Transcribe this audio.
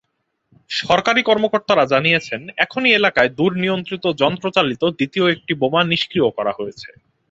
সরকারি কর্মকর্তারা জানিয়েছেন, একই এলাকায় দূরনিয়ন্ত্রিত যন্ত্রচালিত দ্বিতীয় একটি বোমা নিষ্ক্রিয় করা হয়েছে।